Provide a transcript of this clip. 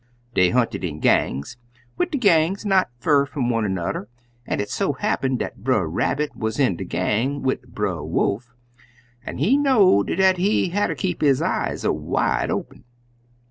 Dey hunted in gangs, wid de gangs not fur fum one an'er, an' it so happen dat Brer Rabbit wuz in de gang wid Brer Wolf, an' he know'd dat he hatter keep his eyes wide open.